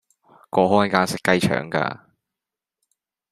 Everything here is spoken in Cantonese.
個看更識雞腸㗎